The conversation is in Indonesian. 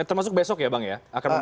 termasuk besok ya bang ya